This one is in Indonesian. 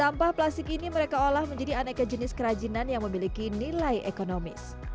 sampah plastik ini mereka olah menjadi aneka jenis kerajinan yang memiliki nilai ekonomis